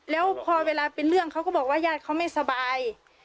แล้วพอเวลาเป็นเรื่องเขาก็บอกว่าญาติเขาไม่สบาย